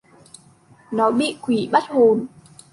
Nó bị quỷ bắt hồn